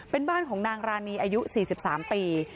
เป็นบ้านของนางรานีอายุ๔๓ปี